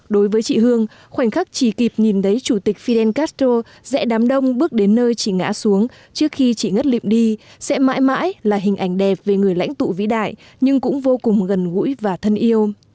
đối với chị hương khoảnh khắc chỉ kịp nhìn thấy chủ tịch fidel castro dễ đám đông bước đến nơi chỉ ngã xuống trước khi chị ngất liệm đi sẽ mãi mãi là hình ảnh đẹp về người lãnh tụ vĩ đại nhưng cũng vô cùng gần gũi và thân yêu